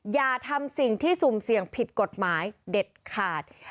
อย่าทำสิ่งที่สุ่มเสี่ยงผิดกฎหมายเด็ดขาด